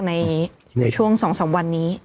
ในช่วงสองสามวันนี้